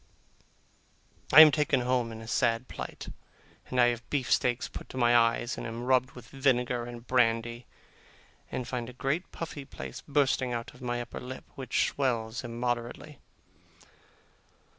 I am taken home in a sad plight, and I have beef steaks put to my eyes, and am rubbed with vinegar and brandy, and find a great puffy place bursting out on my upper lip, which swells immoderately.